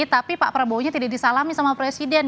tapi pak prabowo nya tidak disalami sama presiden